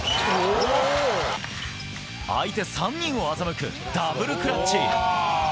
相手３人を欺くダブルクラッチ！